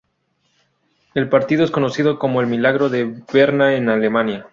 El partido es conocido como el Milagro de Berna en Alemania.